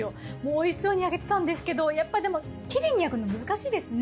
美味しそうに焼けてたんですけどやっぱりでもきれいに焼くの難しいですね。